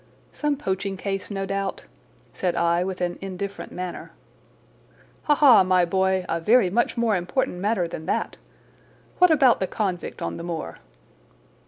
"Some poaching case, no doubt?" said I with an indifferent manner. "Ha, ha, my boy, a very much more important matter than that! What about the convict on the moor?"